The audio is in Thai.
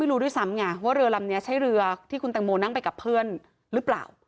รู้ด้วยซ้ำไงว่าเรือลำนี้ใช่เรือที่คุณแตงโมนั่งไปกับเพื่อนหรือเปล่า